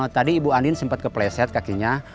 tadi ibu andin sempat kepleset kakinya